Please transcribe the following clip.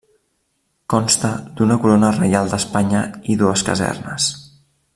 Consta d'una Corona Reial d'Espanya i dues casernes.